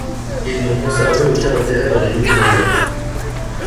Ils n'ont conservé aucun intérêt dans les mines d'Anzin.